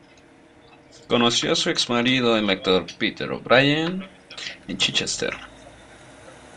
Conoció a su ex marido, el actor Peter O'Brien, en Chichester.